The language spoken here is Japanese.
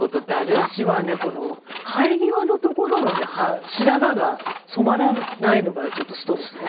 私はねこの生え際のところの白髪が染まらないのがちょっとストレスね。